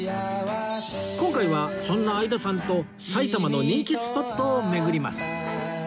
今回はそんな相田さんと埼玉の人気スポットを巡ります